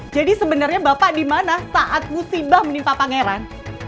jadi sebenernya bapak dimana saat musibah menimpa pangeran